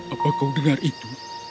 apakah kau dengar itu